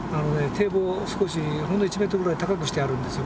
堤防を少しほんの１メートルぐらい高くしてあるんですよ